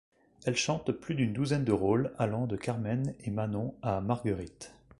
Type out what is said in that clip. Elle chante plus d'une douzaine de rôles allant de Carmen et Manon à Marguerite.